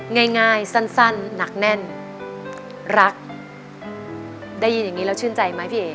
ง่ายสั้นหนักแน่นรักได้ยินอย่างนี้แล้วชื่นใจไหมพี่เอ๋